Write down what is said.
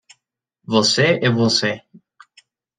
Você e você.